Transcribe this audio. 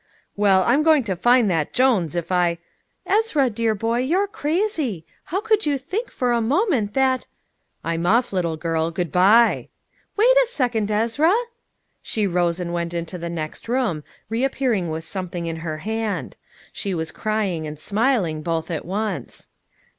"Well, I'm going to find that Jones if I !" "Ezra, dear boy, you're crazy. How could you think for a moment that " "I'm off, little girl. Good by!" "Wait a second, Ezra!" She rose and went into the next room, reappearing with something in her hand. She was crying and smiling both at once.